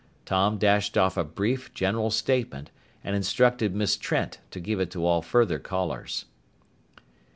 Tom dashed off a brief, general statement and instructed Miss Trent to give it to all further callers.